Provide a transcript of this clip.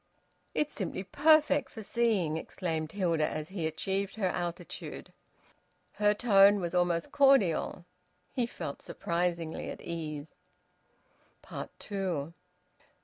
"It's simply perfect for seeing," exclaimed Hilda, as he achieved her altitude. Her tone was almost cordial. He felt surprisingly at ease. TWO.